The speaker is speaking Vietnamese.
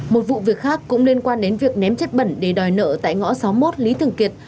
một vụ việc khác cũng liên quan đến việc ném chất bẩn để đòi nợ tại ngõ sáu mươi một lý thường kiệt